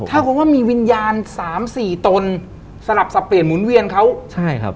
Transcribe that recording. ถ้าคุณว่ามีวิญญาณ๓๔ตนสลับสับเปลี่ยนหมุนเวียนเขา